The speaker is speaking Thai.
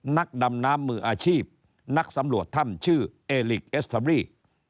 นักดำน้ำมืออาชีพนักสำรวจถ้ำชื่อเอลิกเอสเตอรี่